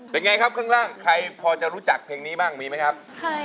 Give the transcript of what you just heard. เป็นไงครับข้างล่างใครพอจะรู้จักเพลงนี้บ้างมีไหมครับ